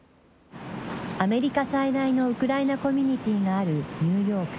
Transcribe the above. アメリカ最大のウクライナコミュニティーがあるニューヨーク。